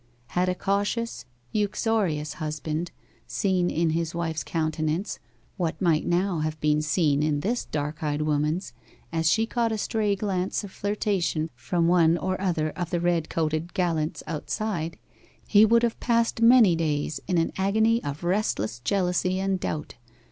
Had a cautious, uxorious husband seen in his wife's countenance what might now have been seen in this dark eyed woman's as she caught a stray glance of flirtation from one or other of the red coated gallants outside, he would have passed many days in an agony of restless jealousy and doubt.